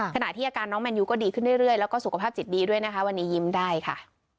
ขณะที่อาการน้องแมนยูก็ดีขึ้นเรื่อยแล้วก็สุขภาพจิตดีด้วยนะคะวันนี้ยิ้มได้ค่ะ